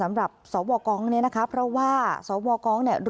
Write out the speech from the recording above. สำหรับสวกองเนี่ยนะคะเพราะว่าสวกองเนี่ย